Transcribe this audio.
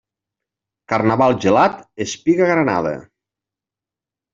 Carnaval gelat, espiga granada.